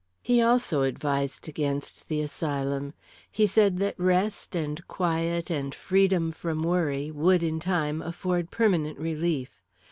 He also advised against the asylum; he said that rest, and quiet, and freedom from worry would, in time, afford permanent relief.